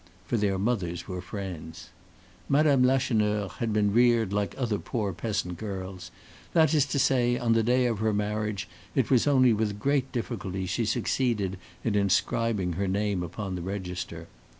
For their mothers were friends. Mme. Lacheneur had been reared like other poor peasant girls; that is to say, on the day of her marriage it was only with great difficulty she succeeded in inscribing her name upon the register.